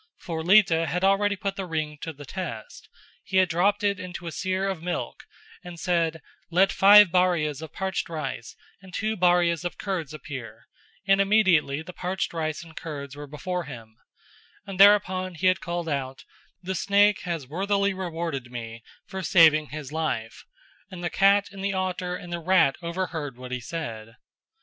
For Lita had already put the ring to the test: he had dropped it into a seer of milk and said "Let five bharias of parched rice and two bharias of curds appear" and immediately the parched rice and curds were before him; and thereupon he had called out "The snake has worthily rewarded me for saving his life;" and the cat and the otter and the rat overheard what he said.